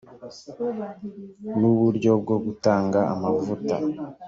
n uburyo bwo gutanga amavuta